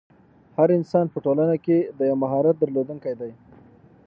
هر انسان په ټولنه کښي د یو مهارت درلودونکی دئ.